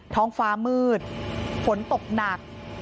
ท้องฟ้ามืดฝนตกหนัก